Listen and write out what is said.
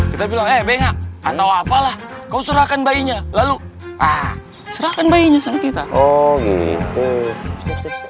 kita bilang ya benga atau apalah kau serahkan bayinya lalu ah serahkan bayinya sama kita oh gitu